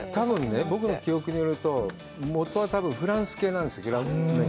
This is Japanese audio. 僕の記憶によるともとは、多分、フランス系なんです。